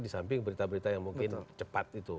disamping berita berita yang mungkin cepat itu